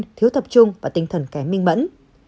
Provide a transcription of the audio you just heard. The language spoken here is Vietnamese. các nhà nghiên cứu tập trung và tinh thần kém minh mẫn